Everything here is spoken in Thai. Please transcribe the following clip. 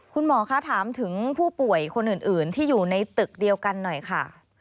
คุณหมอคะถามถึงผู้ป่วยคนอื่นที่อยู่ในตึกเดียวกันหน่อยค่ะ